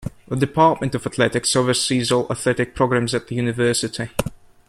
The Department of Athletics oversees all athletic programs at the University.